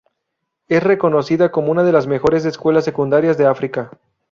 Es reconocida como una de las mejores escuelas secundarias de África.